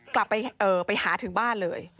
กลับไปหาถึงบ้านเลย